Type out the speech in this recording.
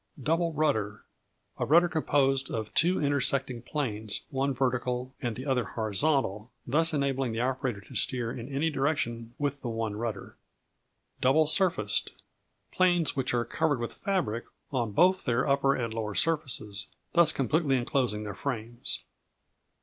Double Rudder A rudder composed of two intersecting planes, one vertical and the other horizontal, thus enabling the operator to steer in any direction with the one rudder. Double Surfaced Planes which are covered with fabric on both their upper and lower surfaces, thus completely inclosing their frames.